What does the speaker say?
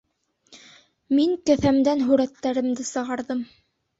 Мин кеҫәмдән һүрәттәремде сығарҙым.